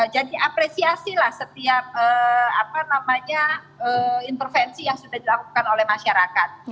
jadi apresiasilah setiap intervensi yang sudah dilakukan oleh masyarakat